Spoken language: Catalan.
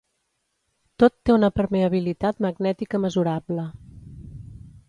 Tot té una permeabilitat magnètica mesurable.